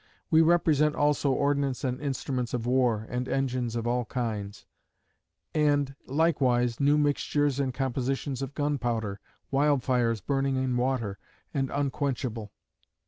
We represent also ordnance and instruments of war, and engines of all kinds: and likewise new mixtures and compositions of gun powder, wild fires burning in water, and unquenchable.